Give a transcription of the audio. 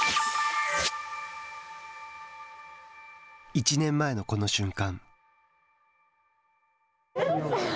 １年前の、この瞬間。